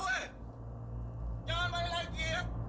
jangan balik lagi